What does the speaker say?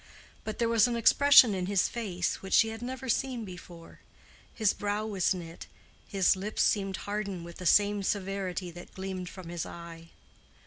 But there was an expression in his face which she had never seen before; his brow was knit, his lips seemed hardened with the same severity that gleamed from his eye.